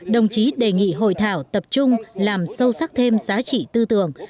đồng chí đề nghị hội thảo tập trung làm sâu sắc thêm giá trị tư tưởng